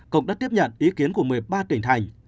cộng đã tiếp nhận ý kiến của một mươi ba tỉnh thành